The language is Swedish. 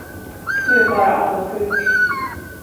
Du är bara avundsjuk.